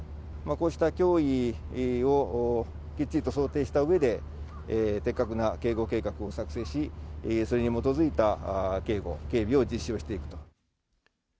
こうした脅威をきっちりと想定したうえで、的確な警護計画を作成し、それに基づいた警護、警備を実施をしていくと。